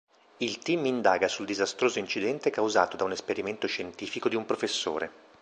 Il team indaga sul disastroso incidente causato da un esperimento scientifico di un professore.